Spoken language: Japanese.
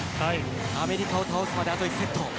アメリカを倒すまであと１セット。